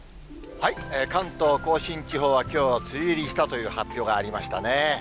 関東甲信地方は、きょうは梅雨入りしたという発表がありましたね。